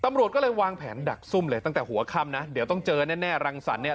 ตำรวจก็เลยวางแผนดักซุ่มเลยตั้งแต่หัวค่ำนะเดี๋ยวต้องเจอแน่รังสรรคเนี่ย